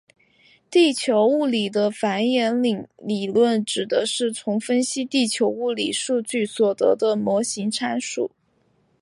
地球物理的反演理论指的是从分析地球物理数据所得到的模型参数。